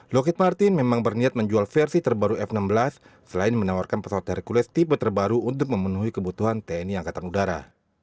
locket martin memang berniat menjual versi terbaru f enam belas selain menawarkan pesawat hercules tipe terbaru untuk memenuhi kebutuhan tni angkatan udara